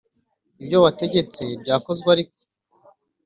Ibyo wategetse byakozwe ariko